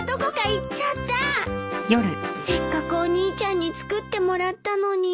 せっかくお兄ちゃんに作ってもらったのに。